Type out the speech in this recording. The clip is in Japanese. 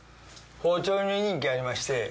包丁に人気ありまして。